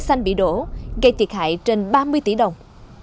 xanh bị đổ gây thiệt hại trên ba mươi tỷ đồng